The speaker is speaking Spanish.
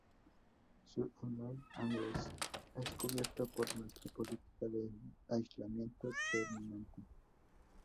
Su email address es cubierto por nuestra política de aislamiento terminante.